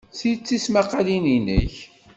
Ti d tismaqqalin-nnek?